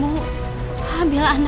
eh istriku kan